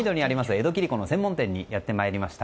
江戸切子の専門店にやってきました。